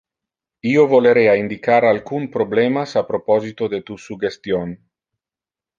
Io volerea indicar alcun problemas a proposito de tu suggestion.